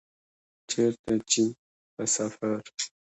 چیرته چي په سفر